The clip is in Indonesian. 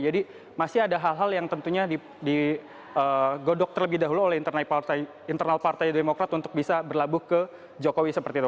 jadi masih ada hal hal yang tentunya digodok terlebih dahulu oleh internal partai demokrat untuk bisa berlabuh ke jokowi seperti itu